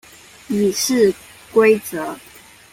議事規則